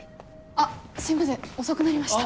あっすいません遅くなりました。